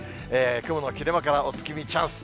雲の切れ間からお月見チャンス。